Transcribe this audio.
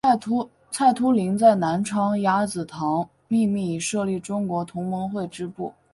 蔡突灵在南昌鸭子塘秘密设立中国同盟会支部。